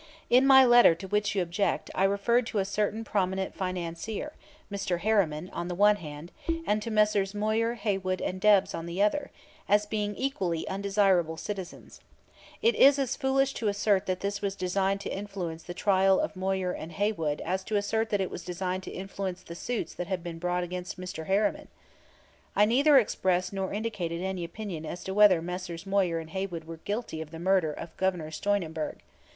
In my letter to which you object I referred to a certain prominent financier, Mr. Harriman, on the one hand, and to Messrs. Moyer, Haywood and Debs on the other, as being equally undesirable citizens. It is as foolish to assert that this was designed to influence the trial of Moyer and Haywood as to assert that it was designed to influence the suits that have been brought against Mr. Harriman. I neither expressed nor indicated any opinion as to whether Messrs. Moyer and Haywood were guilty of the murder of Governor Steunenberg.